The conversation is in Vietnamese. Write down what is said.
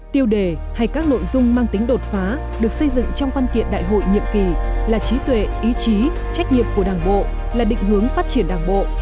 tiêu đề hay các nội dung mang tính đột phá được xây dựng trong văn kiện đại hội nhiệm kỳ là trí tuệ ý chí trách nhiệm của đảng bộ là định hướng phát triển đảng bộ